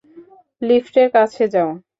লিফটের কাছে যাও!